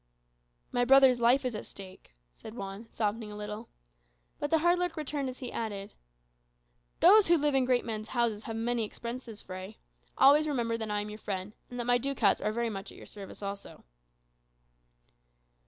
"My brother's life is at stake," said Juan, softening a little. But the hard look returned as he added, "Those who live in great men's houses have many expenses, Fray. Always remember that I am your friend, and that my ducats are very much at your service also."